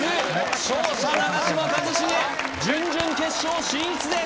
勝者長嶋一茂準々決勝進出です